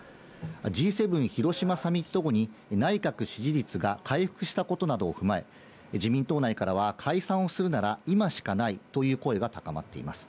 Ｇ７広島サミット後に内閣支持率が回復したことなどを踏まえ、自民党内からは解散をするなら今しかないという声が高まっています。